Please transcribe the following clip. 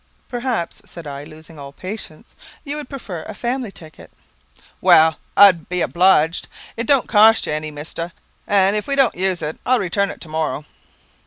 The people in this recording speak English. "Perhaps," said I, losing all patience, "you would prefer a family ticket?" "Well; I'd be obliged. It don't cost you any, mister; and if we don't use it, I'll return it to morrow."